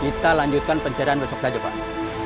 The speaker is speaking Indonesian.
kita lanjutkan pencarian besok saja pak